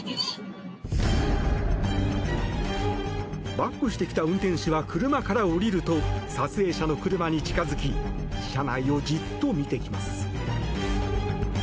バックしてきた運転手は車から降りると撮影者の車に近付き車内をじっと見てきます。